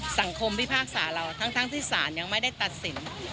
พิพากษาเราทั้งที่ศาลยังไม่ได้ตัดสิน